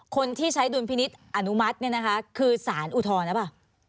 คนที่ใช้ดุลพินิษฐ์อนุมัติเนี่ยนะคะคือสารอุทธรณ์หรือเปล่า